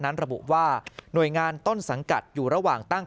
ระบุว่าหน่วยงานต้นสังกัดอยู่ระหว่างตั้ง